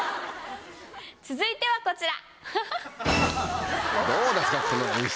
続いてはこちら！